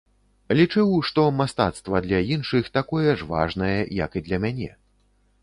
Лічыў, што мастацтва для іншых такое ж важнае, як і для мяне.